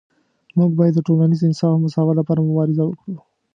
موږ باید د ټولنیز انصاف او مساوات لپاره مبارزه وکړو